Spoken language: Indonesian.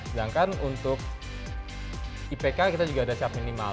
sedangkan untuk ipk kita juga ada siap minimal